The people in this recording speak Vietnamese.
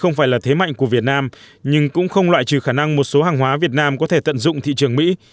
nhưng cũng không loại trừ khả năng một số hàng hóa việt nam có thể tận dụng thị trường mỹ